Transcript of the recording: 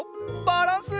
バランス！